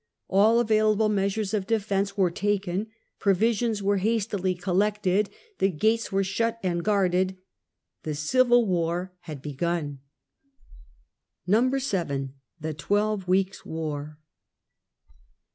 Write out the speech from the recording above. All available measures of defence were taken ; provisions were hastily collected ; the gates were shut and guarded. The civil war had begun. 7. The Twelve Weeks* War.